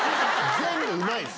全部うまいんすよ。